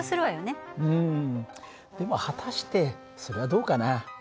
うんでも果たしてそれはどうかな？